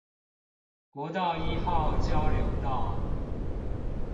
國道一號交流道